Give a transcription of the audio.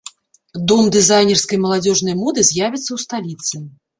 Дом дызайнерскай маладзёжнай моды з'явіцца ў сталіцы.